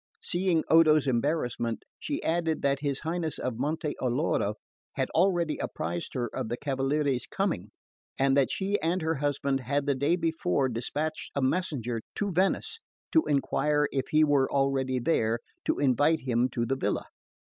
Seeing Odo's embarrassment, she added that his Highness of Monte Alloro had already apprised her of the cavaliere's coming, and that she and her husband had the day before despatched a messenger to Venice to enquire if he were already there to invite him to the villa.